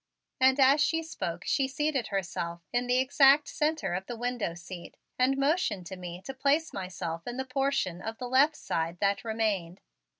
And as she spoke she seated herself in the exact center of the window seat and motioned me to place myself in the portion of the left side that remained.